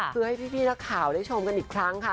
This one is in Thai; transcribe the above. เพื่อให้พี่นักข่าวได้ชมกันอีกครั้งค่ะ